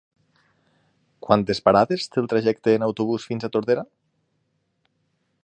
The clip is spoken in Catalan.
Quantes parades té el trajecte en autobús fins a Tordera?